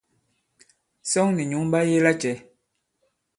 Sᴐŋ nì nyǔŋ ɓa yege lacɛ̄?